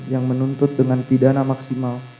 yang menuntut dengan pidana maksimal